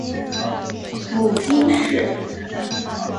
母金氏。